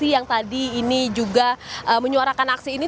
yang tadi ini juga menyuarakan aksi ini